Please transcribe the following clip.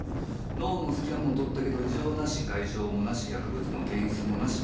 脳のスキャンも撮ったけど異常なし外傷もなし薬物の検出もなし。